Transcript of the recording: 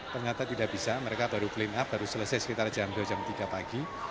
ternyata tidak bisa mereka baru clean up baru selesai sekitar jam dua jam tiga pagi